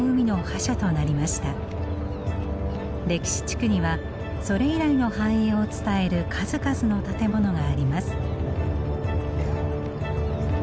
歴史地区にはそれ以来の繁栄を伝える数々の建物があります。